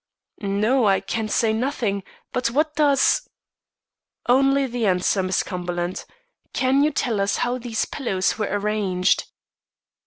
"No. I can say nothing. But what does " "Only the answer, Miss Cumberland. Can you tell us how those pillows were arranged?"